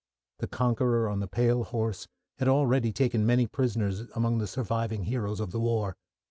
The Conqueror on the pale horse had already taken many prisoners among the surviving heroes of the war.